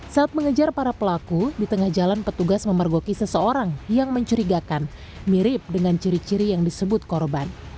saat mengejar para pelaku di tengah jalan petugas memergoki seseorang yang mencurigakan mirip dengan ciri ciri yang disebut korban